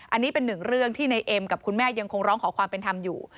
อันนี้เป็นหนึ่งเรื่องที่ในเอ็มกับคุณแม่ยังคงร้องขอความเป็นธรรมอยู่